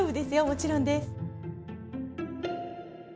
もちろんです。